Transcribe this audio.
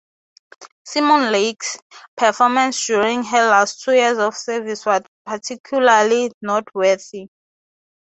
"Simon Lake"s performance during her last two years of service was particularly noteworthy.